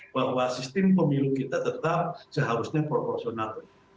bahwa sistem pemilu kita tetap seharusnya proporsional